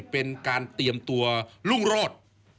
เป็นการเตรียมตัวรุ่งโรธ